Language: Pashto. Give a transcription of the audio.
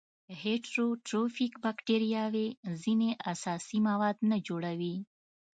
هیټروټروفیک باکتریاوې ځینې اساسي مواد نه جوړوي.